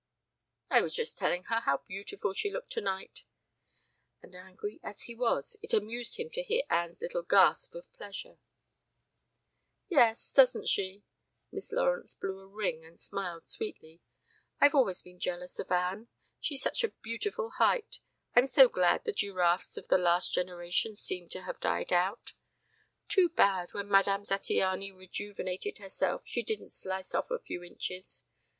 "I was just telling her how beautiful she looked tonight." And angry as he was, it amused him to hear Anne's little gasp of pleasure. "Yes, doesn't she?" Miss Lawrence blew a ring and smiled sweetly. "I've always been jealous of Anne. She's such a beautiful height. I'm so glad the giraffes of the last generation seem to have died out. Too bad, when Madame Zattiany rejuvenated herself, she didn't slice off a few inches.